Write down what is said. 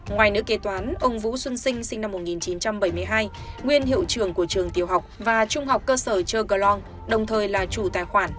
ngoài nữ kế toán ông vũ xuân sinh sinh năm một nghìn chín trăm bảy mươi hai nguyên hiệu trưởng của trường tiêu học và trung học cơ sở trơ gờ long đồng thời là chủ tài khoản